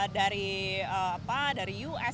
dari apa dari us